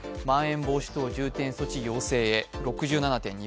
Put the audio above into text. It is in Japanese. まん延防止等重点措置要請へ、６７．２％。